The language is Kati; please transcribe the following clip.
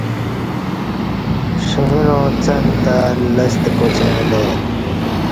ݜنگرا څݩگہ تہ لستہ پا چیں الہ ای